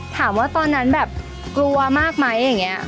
ถามว่าตอนนั้นกลัวมากไหม